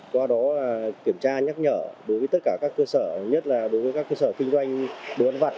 qua đó kiểm tra nhắc nhở đối với tất cả các cơ sở nhất là đối với các cơ sở kinh doanh đồ ăn vặt